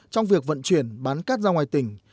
trong việc vận chuyển bán cắt ra ngoài tỉnh